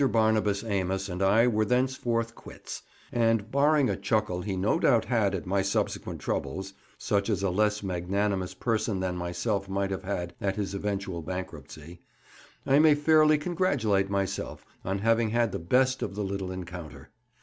Barnabas Amos and I were thenceforth quits, and, barring a chuckle he no doubt had at my subsequent troubles (such as a less magnanimous person than myself might have had at his eventual bankruptcy), I may fairly congratulate myself on having had the best of the little encounter.